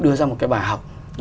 đưa ra một cái bài học